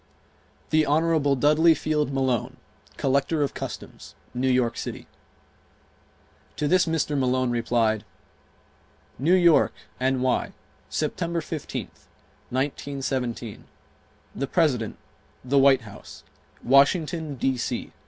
Hon. Dudley Field Malone, Collector of Customs, New York City. To this Mr. Malone replied: New York, N.Y., September 15th, 1917. The President, The White House, Washington, D. C.